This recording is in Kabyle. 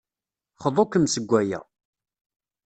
Xḍu-kem seg aya.